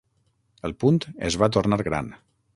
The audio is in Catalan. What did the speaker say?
El punt es va tornar gran.